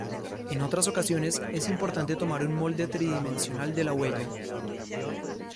En otras ocasiones es importante tomar un molde tridimensional de la huella.